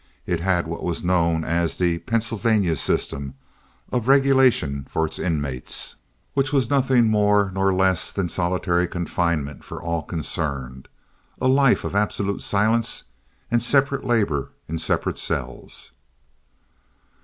It had what was known as the "Pennsylvania System" of regulation for its inmates, which was nothing more nor less than solitary confinement for all concerned—a life of absolute silence and separate labor in separate cells.